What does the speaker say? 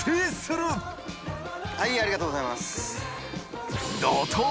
はいありがとうございます藤木）